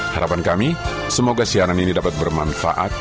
harapan kami semoga siaran ini dapat bermanfaat